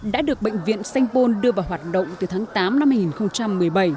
đã được bệnh viện sanh pôn đưa vào hoạt động từ tháng tám năm hai nghìn một mươi bảy